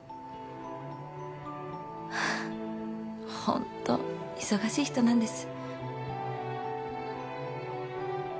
ホント忙しい人なんです。